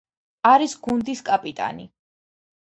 არის გუნდის კაპიტანი.